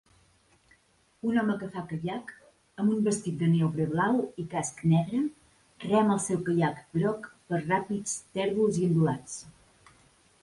Un home que fa caiac amb un vestit de neoprè blau i casc negre rema el seu caiac groc per ràpids tèrbols i ondulats.